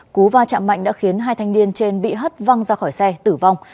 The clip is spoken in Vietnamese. cú va chạm mạnh đã khiến hai thanh niên trên bị hất văng ra khỏi xe tử vong